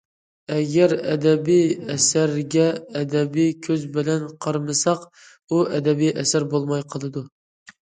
ئەگەر ئەدەبىي ئەسەرگە ئەدەبىي كۆز بىلەن قارىمىساق، ئۇ ئەدەبىي ئەسەر بولماي قالىدۇ.